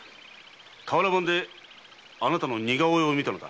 瓦版であなたの似顔絵を見たのだ。